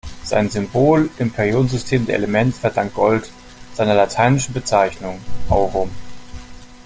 Sein Symbol im Periodensystem der Elemente verdankt das Gold seiner lateinischen Bezeichnung, aurum.